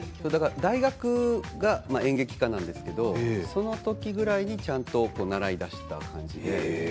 大学が演劇科なんですけどその時ぐらいに、ちゃんと習いだしたという感じですね。